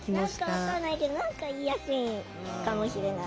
何か分かんないけど何か言いやすいんかもしれない。